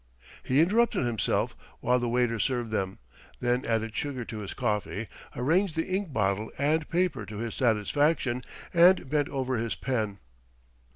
He interrupted himself while the waiter served them, then added sugar to his coffee, arranged the ink bottle and paper to his satisfaction, and bent over his pen.